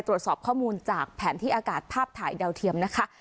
ตรวจสอบข้อมูลจากแผนที่อากาศภาพถ่ายดาวเทียมนะคะ